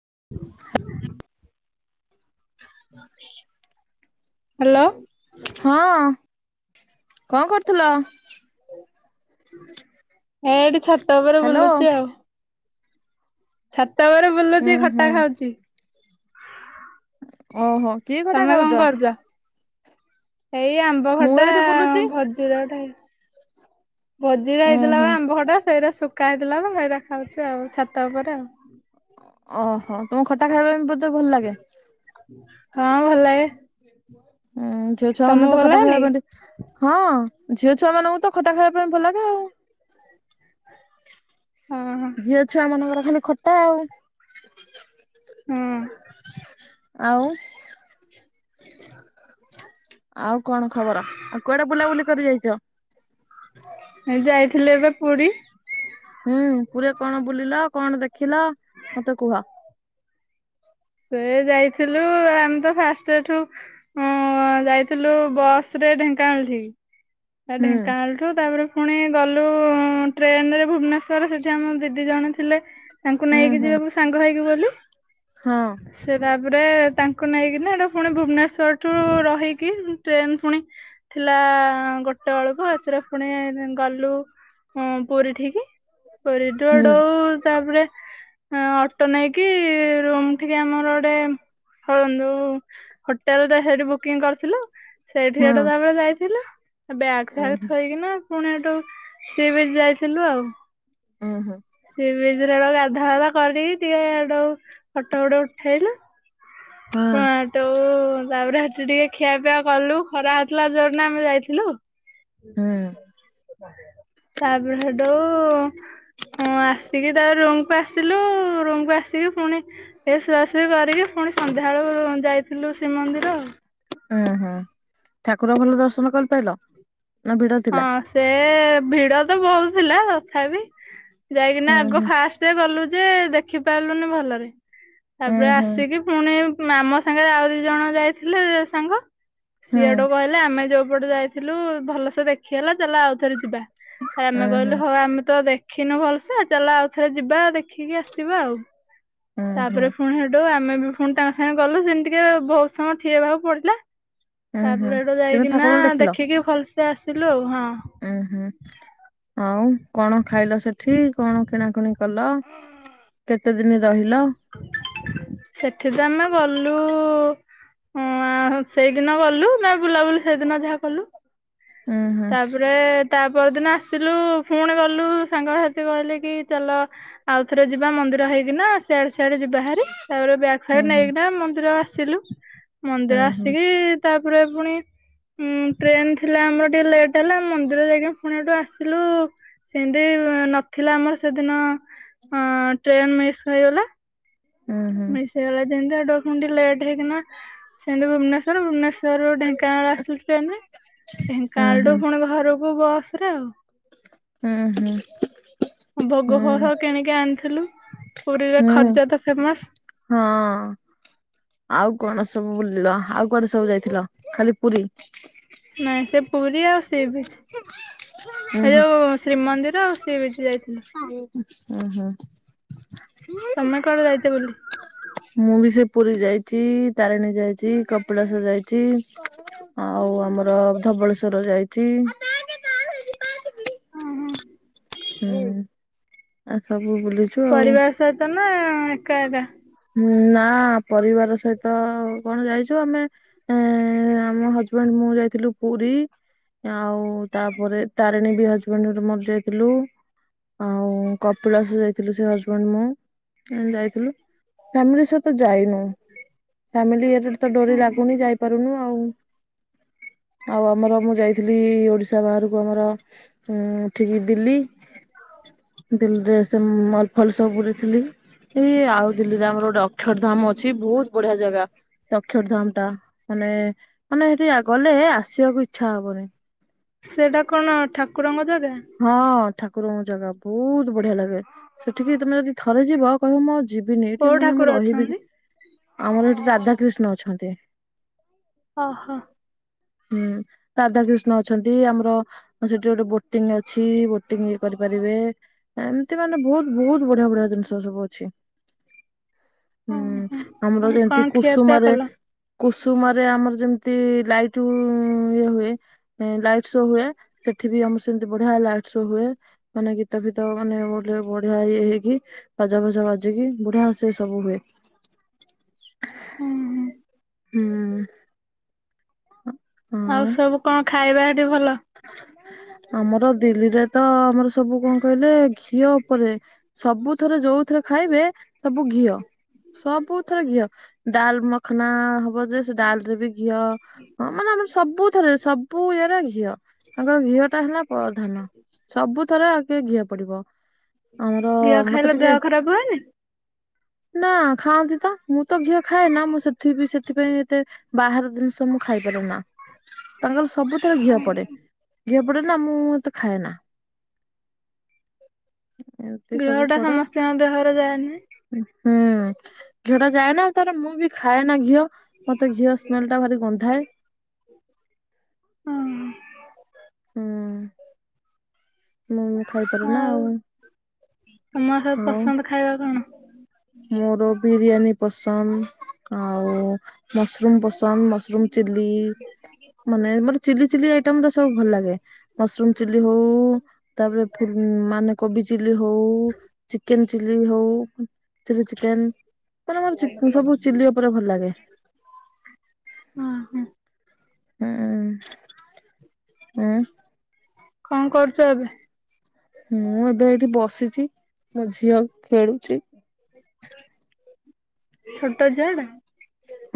[inaudible] Hello ହଁ, କଣ କରୁଥିଲ? ହେଏଟି ଛାତ ଉପରେ ହ୍ୟାଲୋ ବୁଲୁଛି ଆଉ। ଛାତ ଉପରେ ହୁଁ ବୁଲୁଛି, ହୁଁ ଖଟା ଖାଉଛି। ଓହୋ। କି ଖଟା ତମେ ଖାଉଛ? କଣ କରୁଛ? ଏଇ ଆମ୍ବ ମୁଁ ଖଟା ଏଇଠି ବୁଲୁଛି ଭଜୁରଟେ ହେଇ ଭୋଜିରେ ଉୁଁ ହେଇଥିଲାଵା ହୁଁ ଆମ୍ବଖଟା, ସେଇଟା ଶୁଖା ହେଇଥିଲାତ ସେଇଟା ଖାଉଚି ଆଉ ଛାତ ଉପରେ। ଅହଃ, ତମକୁ ଖଟା ଖାଇବା ପାଇଁ ବୋଧେ ଭଲ ଲାଗେ? ହଁ, ଭଲଲାଗେ। ଉଁ, ଝିଅ ଛୁଆମାନେତ ଲାଗେନି ଖଟାଖାଇବା କି? ପାଇଁ ଟି ହଁ, ଝିଅଛୁଆ ମାନଙ୍କୁତ ଖଟା ଖାଇବା ପାଇଁ ଭଲ ଲାଗେ ଆଉ- ହଁ ହଁ ଟା ଆଉ। ହୁଁ। ଆଉ। ଆଉ କଣ ଖବର? ଆଉ କୁଆଡେ ବୁଲାବୁଲି କରି ଯାଇଚ? ଏ ଯାଇଥିଲି ଏବେ ପୁଡି। ହୁଁ, ପୁରୀରେ କଣ ବୁଲିଲ, କଣ ଦେଖିଲ, ମତେ କୁହ। ସେ ଯାଇଥିଲୁ, ଆମେତ ଫାଷ୍ଟ ଏଠୁ ହୁଁ ଯାଇଥିଲୁ ବସରେ ଢେଙ୍କାନାଳଠି, ତା ହୁଁ ଢେଙ୍କାନାଳ ଠୁ ତାପରେ ପୁଣି ଗଲୁ ଟ୍ରେନରେ ଭୁବନେଶ୍ଵର, ସେଠି ଆମ ଦିଦି ଜଣେ ଥିଲେ। ତାଙ୍କୁ ଉଁ ନେଇକି ହୁଁ ଯିବାକୁୁ ସାଙ୍ଗ ହେଇକି ବୋଲି ହଁ। ସେ ତାପରେ ତାଙ୍କୁ ନେଇକିନା ହେଟା ପୁଣି ଭୁବନେଶ୍ଵରଠୁ ରହିକି ଟ୍ରେନ ପୁଣି ଥିଲା ଗୋଟେ ବେଳକୁ, ଏଥିରେ ପୁଣି ଗଲୁ ହୁଁ ପୁରୀଠିକ ହୁଁ କରିଡରଉ ତାପରେ ଅଟୋ ନେଇକି ରୁମ୍- ଟିକେ ଆମର ଗୋଟେ ହନ୍ତୁ ହୋଟେଲ ସେଠି ବୁକିଂ କରିଥିଲୁ ସେଇଠି ହଁ ଏଟା ତାପରେ ଯାଇଥିଲ ବ୍ୟାଗ୍ ଉଁ ଫଗ ହୁଁ ଥୋଇକିନା ପୁଣି ଏଠୁ ସିଏ ବି ଯାଇଥିଲୁ ଆଉ ଓଁ ହୋ। ସି ବିରେ ଗାଧା ଫାଧା କରିକି ଟିକେ ଆଡ ଫଟୋ ଫଟ ଉଠେଇଲୁ ହଁ ତୋ ତାପରେ ସୋତ ଟିକେ ଖିଆପିଆ କଲୁ ଖରା ହେଇଥିଲା ଜୋର ନା ଆମେ ଯାଇଥିଲୁ ହୁଁ। ତା ପରେ ହେଠୁ ହଁ ଆସିକି ତା ରୁମକୁ ଆସିଲୁ ରୁମକୁ ଆସିକି ପୁଣି ଏସୁଆସୁଇ କରିକି ପୁଣି ସନ୍ଧ୍ୟାବେଳ ଯାଇଥିଲୁ ଶ୍ରୀମନ୍ଦିର ଉୁଁ ହୁଁ ଠାକୁର ଭଲ ଦର୍ଶନ କରିପାରିଲ ନା ଭିଡ ଥିଲା? ହଁ ସେ ଭିଡ ତ ବହୁଥିଲା ତଥାପି ହୁଁ ଯାଇକିନା ଆଗ ହୁଁ ଫାଷ୍ଟ ସେ ଗଲୁ ଯେ ଦେଖିପାରିଲୁନି ଭଲରେ ତାପରେ ହୁଁ ଆସିକି ପୁଣି ମାମ ସାଙ୍ଗରେ ଆଉ ଦି ଜଣ ଯାଇଥିଲେ ସାଙ୍ଗ ହୁଁ ସିଏ ହୁଁ ଏଠୁ କହ ହେଲେ ଆମେ ଯୋଉ ପଟେ ଯାଇଥିଲୁ ଭଲସେ ଦେଖି ହେଲା ଚାଲ ଆଉଥରେ ଯିବା ଉଁ ଆମେ ହୁଁ କହିଲୁ ହଉ ଆମେ ତ ଦେଖ ଦେଖିନୁ ଭଲସେ ଚାଲ ଆଉ ଥରେ ଯିବା ଦେଖିକି ଆସିବା ଆଉ। ଉଁ ହୁଁ ତାପରେ ଫୁଣି ହେଠୁ ଆମେ ବି ଫୁଣି ତାଙ୍କ ସାଙ୍ଗରେ ଗଲୁ ସେମିତି ଟିକେ ବହୁତ ସମୟ ଠିଆ ହେବାକୁ ପଡିଲା। ଉଁ ହୁଁ। ତାପରେ ହେଠୁ କିନ୍ତୁ ଯାଇକିନା ଠାକୁରଙ୍କୁ ଦେଖିକି ଭଲସେ ଆସିଲୁ ଆଉ ହଁ। ଉୁଁ ହୁଁ ଆଉ କଣ ଖାଇଲ ସେଠି କଣ କିଣା କୁଣି କଲ? କେତେ ଦିନି ରହିଲ? ସେଠି ତ ଆମେ ଗଲୁ ହଁ ସେଇଦିନ ଗଲୁ ନା ବୁଲାବୁଲି ସେଇଦିନ ଯାହା କଲୁ। ଉଁ ହୁଁ। ଜୁରେ ତା ପରଦିନ ଆସିଲୁ ଫୁଣି ଗଲୁ ସାଙ୍ଗସାଥି କହିଲେ କି ଚାଲ ଆଉ ଥରେ ଯିବା ମନ୍ଦିର ହେଇକିନା ସେଆଡେ ସିଆଡେ ଯିବା ହାରି ତାପରେ ବ୍ୟା ସେ ହୁଁ ହୁଁ ନେଇକିନା ମନ୍ଦିର ଆସିଲୁ ହୁଁ ମନ୍ଦିର ହୁଁ ଆସିକି ତାପରେ ପୁଣି ହୁଁ ଟ୍ରେନ୍ ଥିଲା ଆମର ଟିକେ ଲେଟ୍ ହେଲା ମନ୍ଦିର ଯାଇକି ଫୁଣି ହେଠୁ ଆସିଲୁ ସେମିତି ନଥିଲା ଆମର ସେଦିନ ହଁ ଟ୍ରେନ୍ ମିସ୍ ହେଇଗଲା। ହୁଁ ହୁଁ। ମିସ୍ ହେଇଗଲା ଯେମିତି [unintelligible] ଲେଟ୍ ହେଇକିନା ସେମିତି ଭୁବନେ ସ୍ୱର ଭୁବନେଶ୍ୱର ରୁ ଢେଙ୍କାନାଳ ଆସିଲୁ ଟ୍ରେନରେ ଉଁ ଢେଙ୍କାନାଳ ରୁ ହୁଁ ଫୁଣି ଘରକୁ ବସ୍ ରେ ଆଉ। ହୁଁ ହୁଁ। ଭୋଗ ଫୋଗ କିଣିକି ଆଣିଥିଲୁ ହୁଁ ପୁରୀରେ ଖଜା ତ ଫେମସ୍। ହଁ। ଆଉ କଣ ସବୁ ବୁଲିଲ ଆଉ କୁଆଡେ ସବୁ ଯାଇଥିଲ ଖାଲି ପୁରୀ? ନାଇଁ ସେ ପୁରୀ ଆଉ ସି ବିଚ୍ ଉଁ ଏ ହୁଁ ଯୋଉ ଶ୍ରୀମନ୍ଦିର ଆଉ। ସି ବିଚ୍ ଯାଇଥିଲୁ ଉଁ ହୁଁ। ତମେ କୁଆଡେ ଯାଇଚ ବୁଲି? ମୁଁ ବି ସେଇ ପୁରୀ ଯାଇଚି ତାରିଣୀ ଯାଇଚି କପିଳାସ ଯାଇଚି। ଆଉ ଆମର ଧବଳେଶ୍ଵର ଯାଇଚି। ହୁଁ ଆଉ ସବୁ ବୁଲି ପରିବାର ସହିତ ନା ଏକା ଏକା? ନା ପରିବାର ସହିତ କଣ ଯାଇଚୁ ଆମେ ଏ ଆମ ହଜବେଣ୍ଡ ମୁଁ ଯାଇଥିଲୁ ପୁରୀ ଆଉ ତାପରେ ତାରିଣୀ ବି ହଜବେଣ୍ଡ ମୋର ଯାଇ ଥିଲୁ ଆଉ କପିଳାସ ଯାଇଥିଲୁ ସେ ହଜବେଣ୍ଡ ମୁଁ ଯାଇଥିଲୁ। ଫ୍ୟାମିଲି ସହିତ ଯାଇନୁ। ଫ୍ୟାମିଲି ଏକ ରେ ଡୋରି ଲାଗୁନି ଯାଇପାରୁନୁ ଆଉ। ଆଉ ଆମର ମୁଁ ଯାଇଥିଲି ଓଡିଶା ବାହାରକୁ ଆମର ଉଁ ଉଠିକି ଦିଲ୍ଲୀ ଦିଲ୍ଲୀରେ ସେ ମଲ ଫଲ ସବୁ ବୁଲିଥିଲି। ଏଇ ଆଉ ଦିଲ୍ଲୀରେ ଆମର ଗୋଟେ ଅକ୍ଷରଧାମ ଅଛି ବହୁତ ବଢିଆ ଜାଗା। ଅକ୍ଷରଧାମ ଟା ମାନେ ମାନେ ସେଠି ଗଲେ ଆସିବାକୁ ଇଚ୍ଛା ହବନି। ସେଇଟା କଣ ଠାକୁରଙ୍କ ଜାଗା? ହଁ ଠାକୁରଙ୍କ ଜାଗା ବହୁତୁ ବଢିଆ ଲାଗେ ସେଠିକି ତମେ ଯଦି ଥରେ ଯିବ କହିବ ମୁଁ ଆଉ ଯିବିନି ଏଠି କୋଉ ମାନେ ମୁଁ ଠାକୁର ରହିବି ଅଛନ୍ତି ଆମର ଏଠି ରାଧାକୃିଷ୍ଣ ଅଛନ୍ତି। ଅହ। ହୁଁ ରାଧାକ୍ରିଷ୍ଣ ଅଛନ୍ତି ଆମର ସେଠି ଗୋଟେ ବୋ ଟିଂ ଅଛି ବୋଟିଂ ଇଏ କରିପାରିବେ। ଏମିତି ମାନେ ବହୁତୁ ବହୁତୁ ବଢିଆ ବଢିଆ ଜିନିଷ ସବୁ ଅଛି। ହ ହୁଁ ଆମର ଏମିତି କୁସୁମାରେ କଲ କୁସୁମାରେ ଆମର ଯେମିତି ଲାଇଟ ଇଏ ହୁଏ। ଏ ଲାଇଟ ଶୋ ହୁଏ ସେଠି ବି ଆମର ସେମିତି ବଢିଆ ଲାଇଟ ଶୋ ହୁଏ। ମାନେ ଗୀତ ଫୀତ ମାନେ ବୋଲିବାକୁ ବଢିଆ ହେଇକି। ବାଜା ଫାଜା ବାଜିକି ବଢିଆସେ ସବୁ ହୁଏ। ହୁଁ ହୁଁ। ହୁଁ। ହଁ ଆଉ ସବୁ କଣ ଖାଇବା ହେଠି ଭଲ? ଆମର ଦିଲ୍ଲୀରେ ତ ଆମର ସବୁ କଣ କହିଲେ ଘିଅ ଉପରେ। ସବୁଥରେ ଯୋଉଥିରେ ଖାଇବେ ସବୁ ଘିଅ। ସବୁଥେରେ ଘିଅ ଡାଲ ମଖନା ହବ ଯେସେ ଡାଲରେ ବି ଘିଅ ହଁ ମାନେ ଆମର ସବୁଥେରେ ସବୁ ଇଏରେ ଘିଅ। ତାଙ୍କର ଘିଅ ଟା ହେଲା ପ୍ରଧାନ ସବୁ ଥରେ ଆଗେ କିଏ ଘିଅ ପଡିବ। ଆମର ଘିଅ ମତେ ଖାଇଲେ ଟିକେ ଦେହ ଖରାପ ହୁଏନି? ନା ଖାଆନ୍ତି ତ ମୁଁ ତ ଘିଅ ଖାଏନା ମୁଁ ସେଠି ସେଥିପାଇଁ ଏତେ ବାହାର ଜିନିଷ ମୁଁ ଖାଇପାରେନା ତାଙ୍କର ସବୁଥେର ଘିଅ ପଡେ। ଘିଅ ପଡେନା ମୁଁ ହେତେ ଖାଏନା। ଘିଅଟା ସମସ୍ତଙ୍କ ଦେହରେ ଯାଏନି। ହୁଁ ଜଉଟା ଯାଏନା ତାରେ ମୁଁ ବି ଖାଏନା ଘିଅ ମତେ ଘିଅ ସ୍ମେଲଟା ଭାରି ଗନ୍ଧାଏ। ହୁଁ ଉଁ। ହୁଁ। ମୁଁଁ ଖାଇପାବିନା ଆଉ ତମର ସବୁ ଆଉ। ପସନ୍ଦ ଖାଇବା କଣ? ମୋର ବିରିୟାନୀ ପସନ୍ଦ ଆଉ ମସରୁମ ପସନ୍ଦ ମସରୁମ ଚିଲି। ମାନେ ମୋର ଚିଲି ଚିଲି ଆଇଟମ ଟା ସବୁ ଭଲ ଲାଗେ। ମସରୁମ ଚିଲି ହଉ ତାପରେ ଫୁ ମାନେ କୋବି ଚିଲ୍ଲି ହଉ ଚିକେନ ଚିଲ୍ଲିି ହଉ। ଚିଲ୍ଲି ଚିକେନ ମାନେ ମୋର ଚି ସବୁ ଚିଲ୍ଲି ଉପରେ ଭଲ ଲାଗେ। ଉଁ ହୁଁ। ହୁଁ ହୁଁ। କଣ କରୁଛ ଏବେ? ମୁଁ ଏବେ ଏଠି ବସିଛି ମୋ ଝିଅ ଖେଳୁଛି। ଛୋଟ ଝିଅଡେ।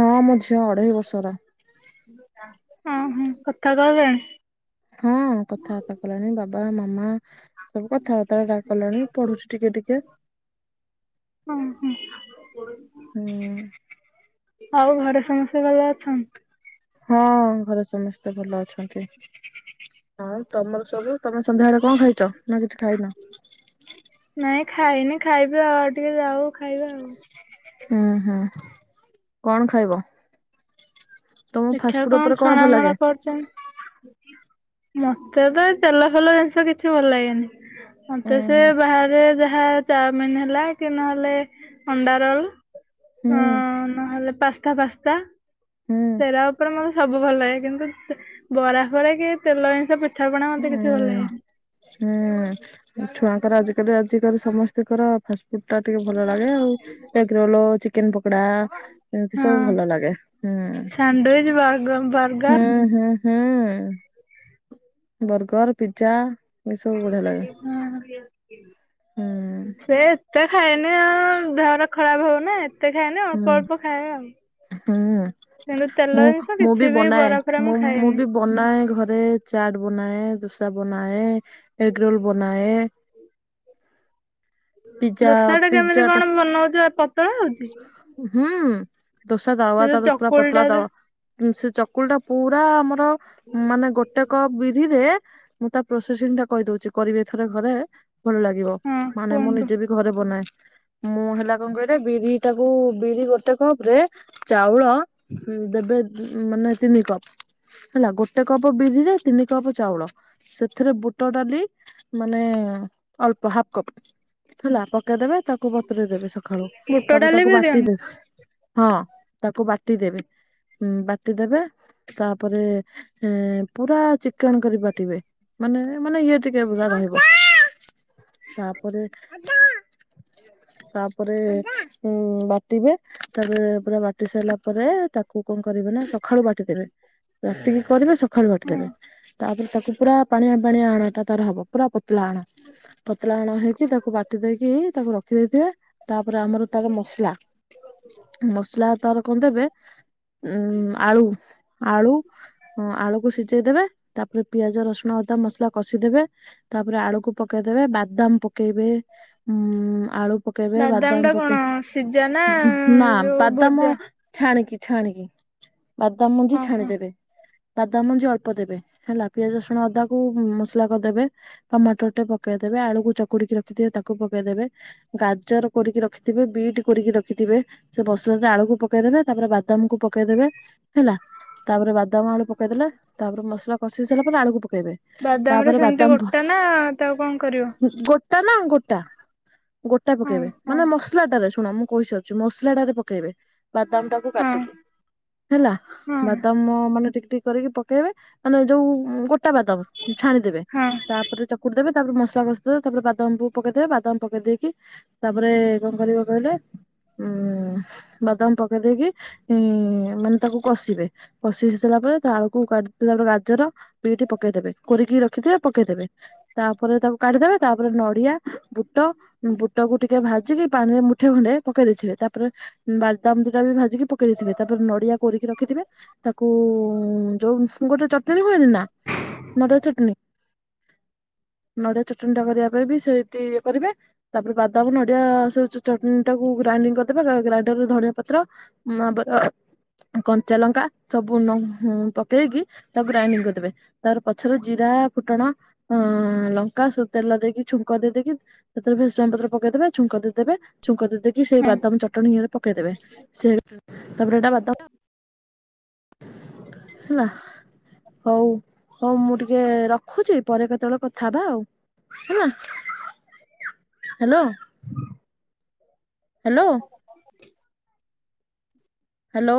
ହଁ ମୋ ଝିଅ ଅଢ଼େଇ ବର୍ଷର। ଉଁ ହୁଁ କଥା କହିଲାଣି। ହଁ କଥାବାର୍ତ୍ତା କଲାଣି ବାବା ମାମା। ସବୁ କଥାବାର୍ତ୍ତା ହେକା କଲାଣି ପଢୁଛି ଟିକେ ଟିକେ। ହୁଁ ହୁଁ। ହୁଁ। ଆଉ ଘରେ ସମସ୍ତେ ଭଲ ଅଛନ୍ତି? ହଁ ଘରେ ସମସ୍ତେ ଭଲ ଅଛନ୍ତି। ହଁ ତମର ସବୁ ତମେ ସନ୍ଧ୍ୟାବେଳେ କଣ ଖାଇଛ ନା କିଛି ଖାଇନ। ନାଇଁ ଖାଇନି ଖାଇବି ଆଉ ଆଉ ଟିକେ ଯାଉ ଖାଇବା ଆଉ। ଉଁ ହୁଁ କଣ ଖାଇବ? ତମ ଫାଷ୍ଟ ଦେଖିବା ଫୁଡ୍ ଉପରେ କଣ ଭଲ ଲାଗେ। ଛଣାମଣା ମତେ ତ ତେଲ ଫେଲ ଜିନିଷ କିଛି ଭଲ ଲାଗେନି। ଉଁ ମତେ ସେ ହୁଁ ବାହାରେ ଯାହା ଚାଉମିନ ହେଲା କି ନହେଲେ ଅଣ୍ଡା ରୋଲ୍। ହୁଁ। ନହେଲେ ପାସ୍ତା ପାସ୍ତା। ହୁଁ। [unintelligible] ଉପରେ ମତେ ସବୁ ଭଲ ଲାଗେ କିନ୍ତୁ ବରା ଫରା କି ତେଲ ଜିନିଷ ପିଠା ପଣା ମତେ କିଛି ଭଲ ହୁଁ। ଲାଗେନି। ହୁଁ ଏ ଛୁଆଙ୍କର ଆଜିକାଲି-ଆଜିକାଲି ସମସ୍ତଙ୍କର ଫାଷ୍ଟ ଫୁଡ୍ ଟା ଟିକେ ଭଲ ଲାଗେ ଆଉ ଏଗ୍ ରୋଲ ଚିକେନ ପକୋଡ଼ା ଏମ୍ତି ହଁ ସବୁ ଭଲ ଲାଗେ ହୁଁ। ବର୍ଗର୍। ହୁଁ ହୁଁ ହୁଁ। ବର୍ଗର, ପିଜ୍ଜା ହଁ-ହଁ। ହୁଁ। ସେ ଏତେ ଖାଏନି, ଆଉ ଦେହଟା ଖରାପ୍ ହବନା। ଏତେ ଖାଏନି ହୁଁ। ଅଳ୍ପ-ଅଳ୍ପ ଖାଏ ଆଉ। ହୁଁ କିନ୍ତୁ ତେଲ ଜିନିଷ ମୁଁ-ମୁଁ ବି କିଛି ବନାଏ, ବରା ଫରା ମୁଁ ମୁଁ-ମୁଁ ଖାଏନି। ବି ବନାଏ ଘରେ ଚାଟ୍ ବନାଏ, ଦୋସା ବନାଏ, ଏଗ ରୋଲ୍ ବନାଏ। ପିଜା ଦୋସା ଟା ପିଜା କେମିତି କଣ ବନାଉଚ ପତଳା ହଉଚି? ହୁଁ ଦୋସା ତାୱା ସେ ଯୋଉ [unintelligible] ପୁରା ଚକୁଳି ପତଳା ଟା ଯା ତାୱା। ଉଁ ସେ ଚକୁଳି ଟା ପୁରା ଆମର ମାନେ ଗୋ ଟେ କପ୍ ବିରିରେ ମୁଁ ତା ପ୍ରୋସେସିଂ ଟା କହିଦଉଛି କରିବେ ଏଥର ଘରେ। ଭଲ ଲାଗିବ ହଁ ମାନେ ମୁଁ କୁହନ୍ତୁ ନିଜେ ବି ଘରେ ବନାଏ, ମୁଁ ହେଲା କଣ କହିଲେ ବିରି ଟାକୁ ବିରି ଗୋଟେ କପ୍ ରେ ଚାଉଳ ଦବେ ମାନେ ତିନି କପ୍। ହେଲା ଗୋଟେ କପ ବିରିରେ ତିନି କପ ଚାଉଳ। ସେଥିରେ ବୁଟ ଡାଲି ମାନେ ଅଳ୍ପ ହାପ୍ କପ୍। ହେଲା ପକେଇଦବେ ତାକୁ ବତୁରଇ ଦେବେ ସଖାଳୁ ବୁଟ ତାପରେ ଡାଲି ତାକୁ ବି ବାଟି ଦିଅନ୍ତି? ଦେବେ। ହଁ ତାକୁ ବାଟି ଦେବେ ବାଟି ଦେବେ ତାପରେ ଏ ପୁରା ଚିକ୍କଣ କରି ବାଟିବେ ମାନେ-ମାନେ ଇଏ ଟିକେ ପୁରା ରହିବ। ତାପରେ-ତାପରେ ଉଁ ବାଟିବେ ତାପରେ ପୁରା ବା ଟି ସାରିଲା ପରେ ତାକୁ କଣ କରିବେ ନା ସଖାଳୁ ବାଟିଦେବେ। ରାତିକି କରିବେ ସଖାଳୁ ହଁ ବାଟିଦେବେ ତାପରେ ତାକୁ ପୁରା ପାଣିଆ-ପାଣିଆ ଆଣଟା ତାର ହବ, ପୁରା ପ ତଳା ଆଣ ପତଳା ହାଣ ହେଇକି ତାକୁ ବାଟି ଦେଇକି ତାକୁ ରଖି ଦେଇଥିବେ, ତାପରେ ଆମର ତାର ମସଲା, ମସଲା ତାର କଣ ଦେବେ ଉଁ ଆଳୁ-ଆଳୁ ହଁ ଆଳୁକୁ ସିଝେଇଦବେ, ତାପରେ ପିଆଜ, ରସୁଣ, ଅଦା ମସଲା କଷିଦେବେ। ତାପରେ ଆଳୁକୁ ପକେଇଦେବେ, ବାଦାମ୍ ପକେଇବେ, ଆଳୁ ପକେଇବେ, ବାଦାମ ବାଦାମ୍ ଟା ପ କଣ ସିଝା ନା ନା ଯୋଉ ବାଦାମ ଭଜା? ଛାଣିକି-ଛାଣିକି ବାଦାମ ମୁଞ୍ଜି ହଁ ହଁ। ଛାଣିଦେବେ। ବାଦାମ୍ ମଞ୍ଜି ଅଳ୍ପ ଦେବେ ହେଲା ପିଆଜ ରସୁଣ ଅଦାକୁ ମସଲା କରିଦେବେ। ଟମାଟର ଟେ ପକେଇଦେବେ, ଆଳୁକୁ ଚକୁଡିକି ରଖିଦିବେ ତାକୁ ପକେଇଦେବେ, ଗାଜର କୋରିକି ରଖି ଥିବେ, ବିଟ୍ କୋରିକି ରଖିଥିବେ, ସେ ମସଲାରେ ଆଳୁକୁ ପକେଇଦେବେ, ତାପରେ ବାଦାମ୍ କୁ ପକେଇଦେବେ ହେଲା ତାପରେ ବାଦାମ ଆଳୁ ପକେଇଦେଲେ ତାପରେ ମସଲା କଷି ସାରିଲା ପରେ ଆଳୁକୁ ପକେଇବେ। ବାଦାମ୍ ରେ ତାପରେ ସେମ୍ତି ବାଦାମ ଗୋଟା ନା ତାକୁ କଣ କରିବ? [unintelligible] ଗୋଟା ହଁ ପକେଇବେ, ହଁ ମାନେ ମ ସ୍ଲାଟାରେ ଶୁଣ ମୁଁ କହିସାରୁଛି ମସଲାଟାରେ ପକେଇବେ ବାଦାମ୍ ଟାକୁ ହଁ କାଟିକି। ହେଲା ହଁ ବାଦାମ ମାନେ ଟିକ୍-ଟିକ୍ କରିକି ପକେଇବେ, ମାନେ ଯୋଉ ଗୋଟା ବାଦାମ। ଛାଣିଦେବେ। ହଁ ତାପରେ ଚକୁଟିଦେବେ ତାପରେ ମସଲା କସିଦେବେ ତାପରେ ବାଦାମକୁ ପକେଇଦବେ ବାଦାମ ପକେଇ ଦେଇକି ତାପରେ କଣ କରିବେ କହିଲେ ଉଁ ବାଦାମ୍ ପକେଇ ଦେଇକି ଉଁ ମାନେ ତାକୁ କଷିବେ, କଷି [unintelligible] ସାରିଲା ପରେ ତା ଆଳୁକୁ କାଟିଲା ପରେ ଗାଜର ବିଟି ପକେଇଦେବେ କୋରିକି ରଖିେଥିବେ ପକେଇଦେବେ। ତାପରେ ତାକୁ କାଢିଦବା, ତାପରେ ନଡିଆ, ବୁଟ ବୁଟକୁ ଟିକେ ଭା ଭାଜିକି ପାଣିରେ ମୁଠେ ଖଣ୍ଡେ ପକେଇ ଦେଇଥିବେ, ତାପରେ ବାଦାମ ଦିଟା ବି ଭାଜିକି ପକେଇ ଦେଇଥିବେ, ତାପରେ ନଡିଆ କୋରିକି ରଖିଥିବେ, ତାକୁ ଯୋଉ ଗୋଟେ ଚଟଣୀ ହୁଏନି ନା ନଡିଆ ଚଟଣୀ। ନଡିଆ ଚଟଣି ଟା କରିବା ପାଇଁ ବି ସେମିତି ଇଏ କରିବେ, ତାପରେ ବାଦାମ ନ ଡିଆ ଚଟଣି ଟାକୁ ଗ୍ରାଇଡିଙ୍ଗ କରିଦେବେ, ଗ୍ରାଇଣ୍ଡରରେ ଧନଆ ପତ୍ର କଞ୍ଚା ଲଙ୍କା, ସବୁ ପକେଇକି ତାକୁ ଗ୍ରାଇଣ୍ଡିଙ୍ଗ କରିଦେବେ। ତାର ପଛରେ ଜିରା ଫୁଟଣ ଅ ଲଙ୍କା ସବୁ ତେଲ ଦେଇକି ଛୁଙ୍କ ଦେଇ ଦେଇକି ସେଥିରେ ଭ୍ରୁସଙ୍ଗ ପତ୍ର ପକେଇଦେବେ। ଛୁଙ୍କ ଦେଇଦେବେ ଛୁଙ୍କ ଦେଇଦେଇକି ସେଇ ହଁ ବାଦାମ ଚଟଣୀ ଇଏରେ ପକେଇଦେବେ, ସେ ତାପରେ ସେଟା ବାଦାମ ଆ [unintelligible] ହେଲା? ହଉ ହଉ ମୁଁ ଟିକେ ରଖୁଛି ପରେ କେତେବେଳେ କଥା ହବା ଆଉ। ହେଲା ହ୍ୟାଲୋ। ହ୍ୟାଲୋ? ହ୍ୟାଲୋ?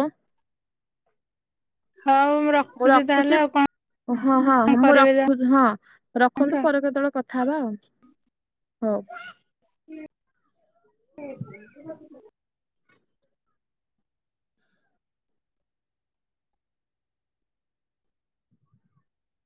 ହଉଁ ମୁଁ ରଖ୍ ମୁଁ ରଖୁଛି, ହଁ ହଁ କଣ ମୁଁ କରିବେ ରଖୁ ହଁ, ଯାଆନ୍ତୁ ରଖନ୍ତୁ ଆଉ। ପରେ କେତେବେଳେ କଥା ହବା ଆଉ, ହଉ। [unintelligible]